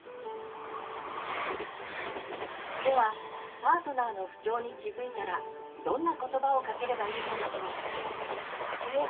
ではパートナーの不調に気づいたらどんな言葉をかければいいのでしょう？